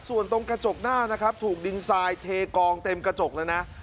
ส่วนตรงกระจกหน้านะครับถูกดินทรายเทกองเต็มกระจกเลยนะ